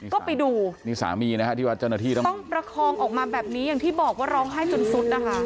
ก็ไปดูต้องประคองออกมาแบบนี้อย่างที่บอกว่าร้องไห้จนซุดนะคะ